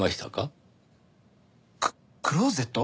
ククローゼット？